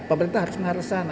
pemerintah harus mengharuskan